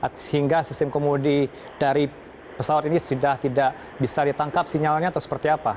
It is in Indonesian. sehingga sistem komodi dari pesawat ini sudah tidak bisa ditangkap sinyalnya atau seperti apa